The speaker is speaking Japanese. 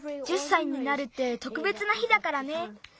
１０歳になるって特別な日だからね。